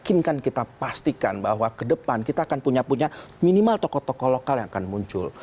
yakinkan kita pastikan bahwa kedepan kita akan punya punya minimal tokoh tokoh lokal yang akan muncul